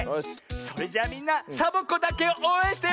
それじゃみんなサボ子だけをおうえんしてよ！